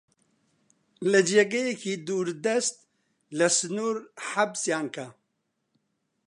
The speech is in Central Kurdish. لە جێگەیەکی دووردەست، لە سنوور حەبسیان کە!